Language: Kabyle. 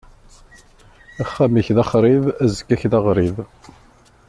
Axxam-ik d axṛib, aẓekka-k d aɣrib.